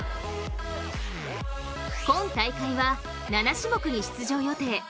今大会は７種目に出場予定。